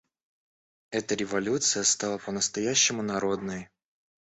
Эта революция стала по-настоящему народной.